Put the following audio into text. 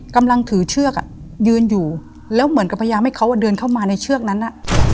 กำลังถือเชือกยืนอยู่แล้วเหมือนกับพยายามให้เขาเดินเข้ามาในเชือกนั้น